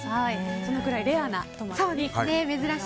そのくらいレアなトマトになります。